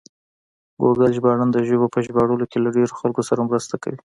ګوګل ژباړن د ژبو په ژباړلو کې له ډېرو خلکو سره مرسته کوي.